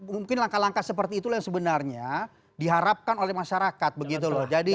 mungkin langkah langkah seperti itulah yang sebenarnya diharapkan oleh masyarakat begitu loh